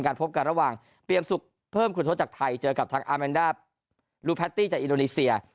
พบกันระหว่างเปรียมสุขเพิ่มคุณทศจากไทยเจอกับทางอาแมนดาลูแพตตี้จากอินโดนีเซีย